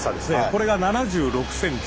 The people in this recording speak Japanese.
これが７６ｃｍ。